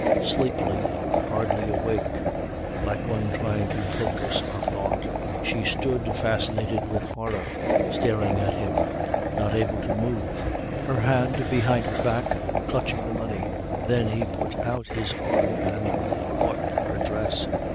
Sleepily, hardly awake, like one trying to focus a thought. She stood fascinated with horror, staring at him, not able to move, her hand behind her back clutching the money. Then he put out his arm and caught her dress.